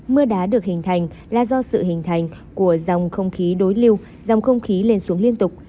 mưa đá được hình thành là do sự hình thành của dòng không khí đối lưu dòng không khí lên xuống liên tục